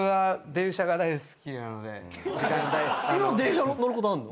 今も電車に乗ることあるの？